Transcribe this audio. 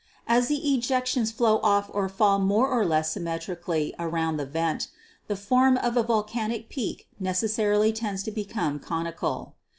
As the ejections flow off or fall more or less symmetri VULCANISM 121 cally around the vent, the form of a volcanic peak neces sarily tends to become conical.